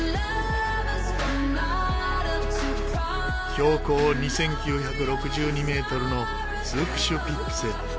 標高２９６２メートルのツークシュピッツェ。